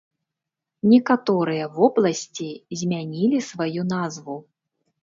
Некаторыя вобласці змянялі сваю назву.